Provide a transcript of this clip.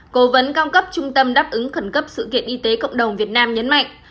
cố vấn cao cấp trung tâm đáp ứng khẩn cấp sự kiện y tế cộng đồng việt nam nhấn mạnh